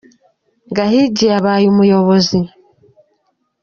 Gahigi yabaye umuyobozi.